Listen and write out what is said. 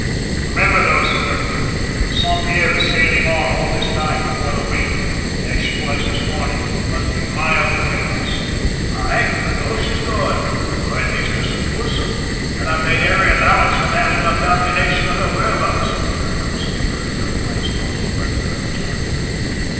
"Remember, though, sir, the Saint Pierre is sailing on all this time before the wind, as she was this morning, and must be miles ahead of us!" "Aye, I know she's going; or at least, I suppose so, and I've made every allowance for that in my calculation of her whereabouts," returned our skipper, in nowise daunted by the colonel's argument.